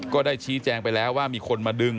ก็ได้ชี้แจงไปแล้วว่ามีคนมาดึง